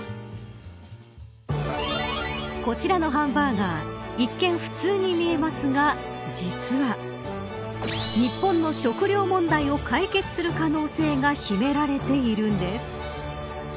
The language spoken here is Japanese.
こちらのハンバーガー一見、普通に見えますが、実は日本の食料問題を解決する可能性が秘められているんです。